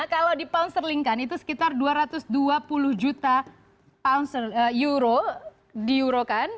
kalau dipouncerlingkan itu sekitar dua ratus dua puluh juta euro diuro kan